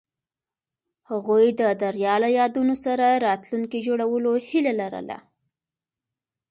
هغوی د دریا له یادونو سره راتلونکی جوړولو هیله لرله.